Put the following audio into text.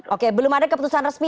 oke belum ada keputusan resmi